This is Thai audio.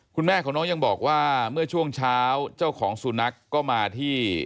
คุณแม่ของน้องยังบอกว่าเมื่อช่วงเช้าเจ้าของสุนัขก็มาที่